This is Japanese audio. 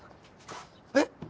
えっ？